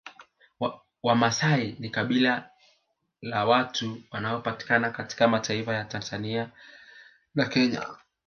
Wamasai ni kabila la watu wanaopatikana katika mataifa ya Tanzania na Kenya